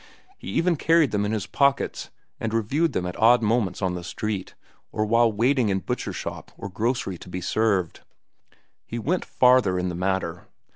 He even carried them in his pockets, and reviewed them at odd moments on the street, or while waiting in butcher shop or grocery to be served. He went farther in the matter.